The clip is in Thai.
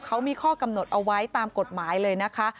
เขามีข้อกำหนดเอาไว้ตามกฎหมายเลยนะคะ